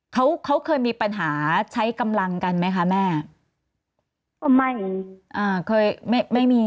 เขาเขาเคยมีปัญหาใช้กำลังกันไหมคะแม่ก็ไม่อ่าเคยไม่ไม่มี